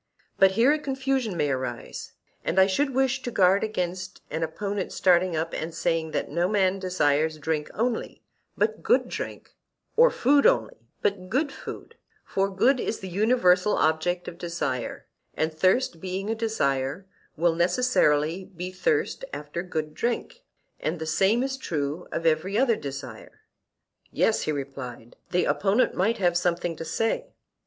But here a confusion may arise; and I should wish to guard against an opponent starting up and saying that no man desires drink only, but good drink, or food only, but good food; for good is the universal object of desire, and thirst being a desire, will necessarily be thirst after good drink; and the same is true of every other desire. Yes, he replied, the opponent might have something to say.